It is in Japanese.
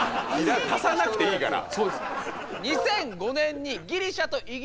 足さなくていいから。